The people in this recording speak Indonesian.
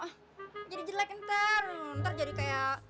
ah jadi jelek ntar jadi kayak